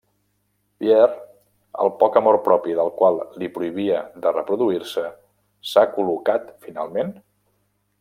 Pierre, el poc amor propi del qual li prohibia de reproduir-se, s'ha col·locat finalment?